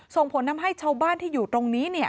ส่งผลทำให้ชาวบ้านที่อยู่ตรงนี้